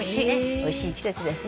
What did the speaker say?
おいしい季節ですね。